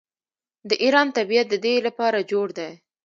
د ایران طبیعت د دې لپاره جوړ دی.